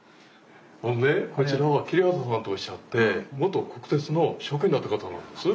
ほんでこちらは桐畑さんとおっしゃって元国鉄の職員だった方なんです。